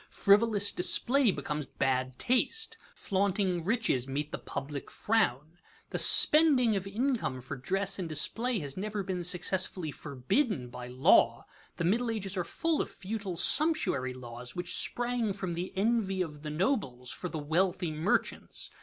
Frivolous display becomes bad taste. Flaunting riches meet the public frown. The spending of income for dress and display has never been successfully forbidden by law. The Middle Ages are full of futile sumptuary laws which sprang from the envy of the nobles for the wealthy merchants.